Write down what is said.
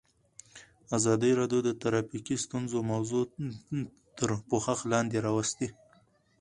ازادي راډیو د ټرافیکي ستونزې موضوع تر پوښښ لاندې راوستې.